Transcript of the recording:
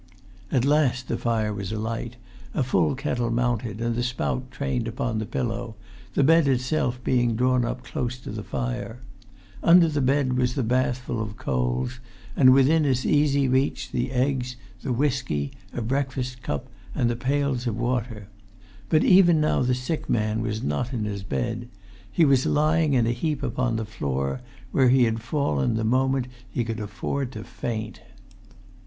At last the fire was alight, a full kettle mounted, and the spout trained upon the pillow, the bed itself being drawn up close to the fire. Under the bed was the bath full of coals, and within as easy reach the eggs, the whisky, a breakfast cup, and the pails of water. But even now the sick man was not in his bed; he was lying in a heap upon the floor, where he had fallen the moment he could afford to faint.